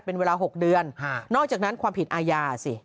เป็นเวลา๖เดือนนอกจากนั้นความผิดอาญาสิ